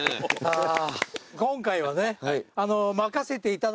今回はね。